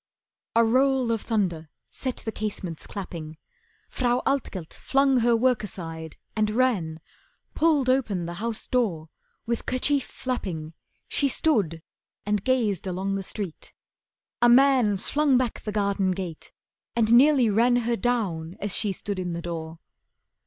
A roll of thunder set the casements clapping. Frau Altgelt flung her work aside and ran, Pulled open the house door, with kerchief flapping She stood and gazed along the street. A man Flung back the garden gate and nearly ran Her down as she stood in the door.